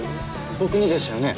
僕にでしたよね？